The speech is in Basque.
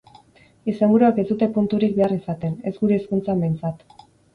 Izenburuek ez dute punturik behar izaten, ez gure hizkuntzan behintzat.